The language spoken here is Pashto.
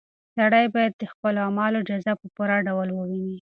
سړی باید د خپلو اعمالو جزا په پوره ډول وویني.